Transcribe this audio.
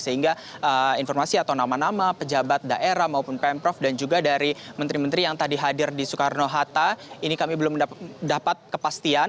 sehingga informasi atau nama nama pejabat daerah maupun pemprov dan juga dari menteri menteri yang tadi hadir di soekarno hatta ini kami belum dapat kepastian